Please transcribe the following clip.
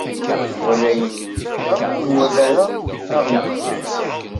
Nwala ayen nečča, ur nwala ara aɣ-yeččen.